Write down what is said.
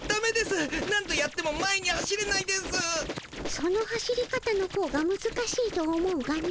その走り方のほうがむずかしいと思うがの。